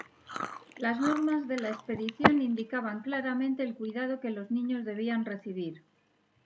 Las normas de la expedición indicaban claramente el cuidado que los niños debían recibir.